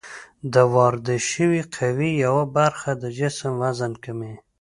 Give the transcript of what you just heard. د واردې شوې قوې یوه برخه د جسم وزن کموي.